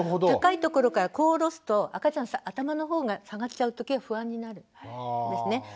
高いところからこう下ろすと赤ちゃん頭の方が下がっちゃう時が不安になるんですね。